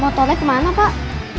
mau tolek kemana pak